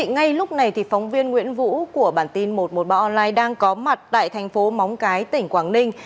ngay lúc này phóng viên nguyễn vũ của bản tin một trăm một mươi ba online đang có mặt tại thành phố móng cái tỉnh quảng ninh